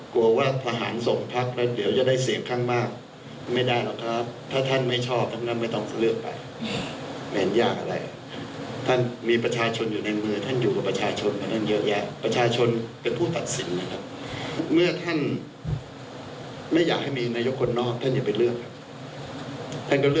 ก็เลือกสิทธิ์ที่จะเกิดนายยกรัฐมนตรีคนนอก